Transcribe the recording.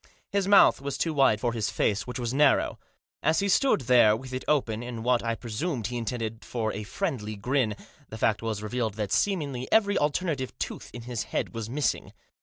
His mouth was too wide for his face, which was narrow. As he stood there with it open, in what I presume he intended for a friendly grin, the fact was revealed that seemingly every alternate tooth in his head was missing.